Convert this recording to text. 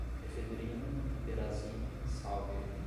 efedrina, piperazina, salvia